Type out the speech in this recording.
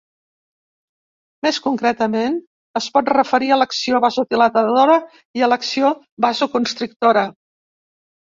Més concretament, es pot referir a l'acció vasodilatadora i a l'acció vasoconstrictora.